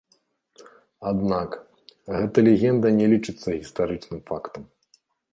Аднак, гэта легенда не лічыцца гістарычным фактам.